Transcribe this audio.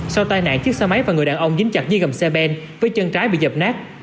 sau tai nạn chiếc xe máy và người đàn ông dính chặt dưới gầm xe ben với chân trái bị dập nát